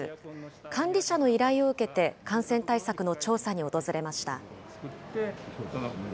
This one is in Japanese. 管理者の依頼を受けて、感染対策の調査に訪れました。